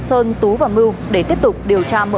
sơn tú và mưu để tiếp tục điều tra mở rộng vụ án